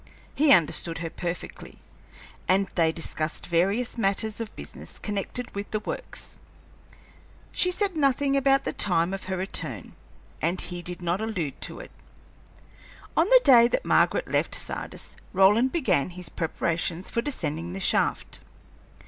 He understood her perfectly, and they discussed various matters of business connected with the Works. She said nothing about the time of her return, and he did not allude to it. On the day that Margaret left Sardis, Roland began his preparations for descending the shaft.